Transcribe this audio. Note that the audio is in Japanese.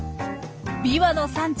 ビワの産地